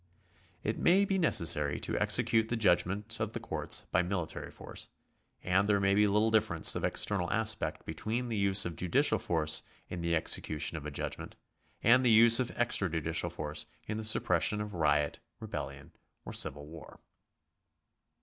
It may be necessary to execute the judgments of the courts by military force, and there may be little difference of external aspect between the use of judicial force in the execution of a judgment, and the use of extrajudicial force in the suppression of riot, rebellion, or civil war.